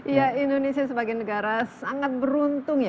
ya indonesia sebagai negara sangat beruntung ya